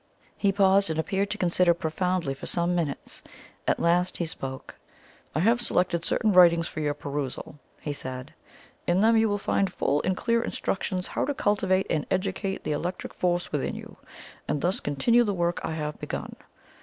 He paused, and appeared to consider profoundly for some minutes. At last he spoke. "I have selected certain writings for your perusal," he said. "In them you will find full and clear instructions how to cultivate and educate the electric force within you, and thus continue the work I have begun.